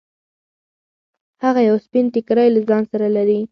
هغه یو سپین ټیکری له ځان سره لري.